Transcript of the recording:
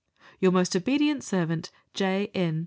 Your most obedient servant, J. N.